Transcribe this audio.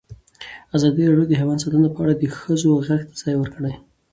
ازادي راډیو د حیوان ساتنه په اړه د ښځو غږ ته ځای ورکړی.